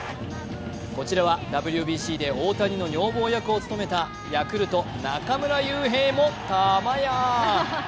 こちらはＷＢＣで大谷の女房役を務めたヤクルト・中村悠平もたまや。